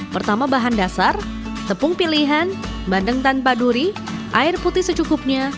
pertama bahan dasar tepung pilihan bandeng tanpa duri air putih secukupnya